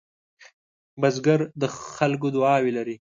بزګر د خلکو دعاوې لري